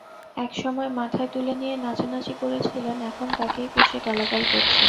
একসময় মাথায় তুলে নিয়ে নাচানাচি করেছিলেন, এখন তাঁকেই কষে গালাগাল করছেন।